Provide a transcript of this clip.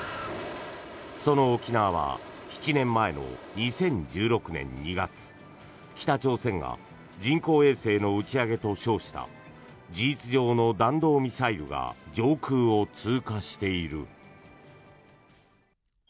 その沖縄は７年前の２０１６年２月北朝鮮が人工衛星の打ち上げと称した事実上の弾道ミサイルが上空を通過している。